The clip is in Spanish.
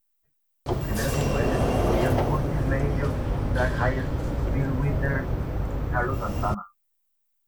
Sus primeras influencias incluían Curtis Mayfield, Isaac Hayes, Bill Withers, y Carlos Santana.